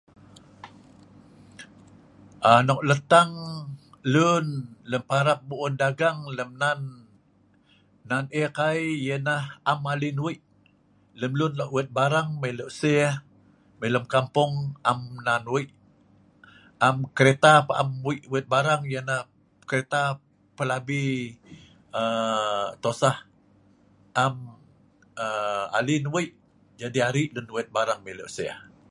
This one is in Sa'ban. aa nok lem tang lunlem parap pu'un dagang lem nan nan ek ianah am alin weik lem lun nok wet barang mei lok seh mei lem kampung am nan weik am kereta pah am weik wet barang ianah kereta pelabi aa tosah am aa alin weik jadi arik lun wet barang mei lok seh